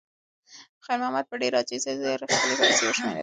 خیر محمد په ډېرې عاجزۍ سره خپلې پیسې وشمېرلې.